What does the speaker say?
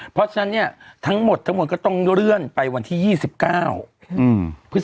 เพราะฉะนั้นเนี่ยทั้งหมดทั้งหมดก็ต้องเลื่อนไปวันที่ยี่สิบเก้าอืม